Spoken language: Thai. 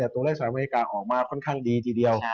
ตัวเลขสหรัฐอเมริกาออกมาค่อนข้างดีทีเดียว